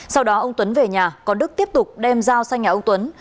sau đó ông tuấn về nhà còn đức tiếp tục đem dao sang nhà ông tuấn